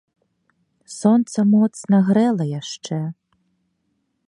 Сонца моцна грэла яшчэ.